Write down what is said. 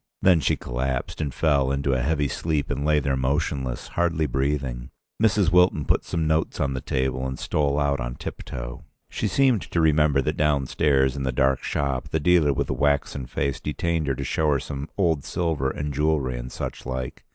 Then she collapsed, and fell into a heavy sleep and lay there motionless, hardly breathing. Mrs. Wilton put some notes on the table and stole out on tip toe. She seemed to remember that downstairs in the dark shop the dealer with the waxen face detained her to show some old silver and jewelry and such like.